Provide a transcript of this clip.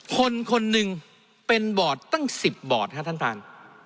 คนคนหนึ่งเป็นบอร์ดตั้ง๑๐บอร์ดครับท่านท่าน